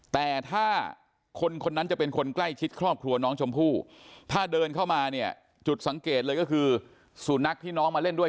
แต่ถ้าคนคนนั้นจะเป็นคนใกล้ชิดครอบครัวน้องชมพู่ถ้าเดินเข้ามาเนี่ยจุดสังเกตเลยก็คือสุนัขที่น้องมาเล่นด้วย